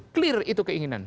clear itu keinginan